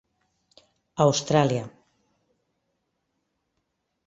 Austràlia.